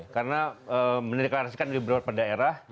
karena menilai kelas kan beberapa daerah